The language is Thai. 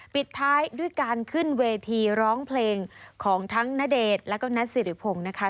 ปิดท้ายด้วยการขึ้นเวทีร้องเพลงของทั้งณเดชน์แล้วก็แน็ตสิริพงศ์นะคะ